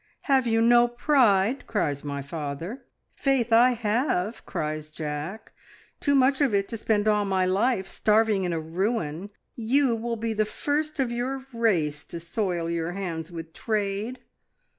`Have you no pride?' cries my father. `Faith I have!' cries Jack. `Too much of it to spend all my life starving in a ruin.' `You will be the first of your race to soil your hands with trade.'